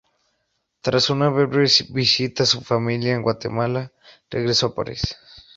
Tras una breve visita a su familia en Guatemala, regresó a París.